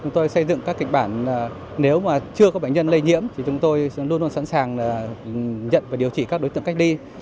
chúng tôi xây dựng các kịch bản nếu mà chưa có bệnh nhân lây nhiễm thì chúng tôi luôn luôn sẵn sàng nhận và điều trị các đối tượng cách ly